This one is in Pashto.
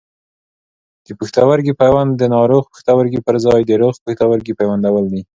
د پښتورګي پیوند د ناروغ پښتورګي پر ځای د روغ پښتورګي پیوندول دي.